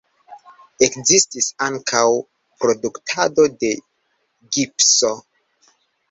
Ekzistis ankaŭ produktado de gipso.